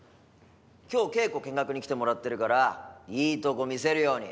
今日稽古見学に来てもらってるからいいとこ見せるように。